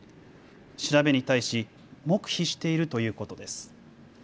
調べに対し黙秘しているということです。